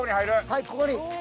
はいここに。